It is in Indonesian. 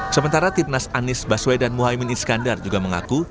sementara timnas anies baswedan mohaimin iskandar juga mengaku